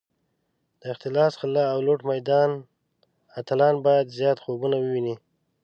د اختلاس، غلا او لوټ میدان اتلان باید زیات خوبونه وویني.